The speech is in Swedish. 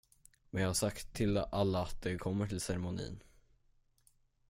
Men jag har sagt till alla att de kommer till ceremonin.